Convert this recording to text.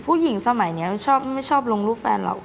ผู้หญิงสมัยนี้ไม่ชอบลงรูปแฟนหรอก